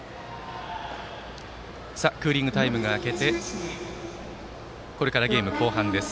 クーリングタイムが明けてこれからゲーム後半です。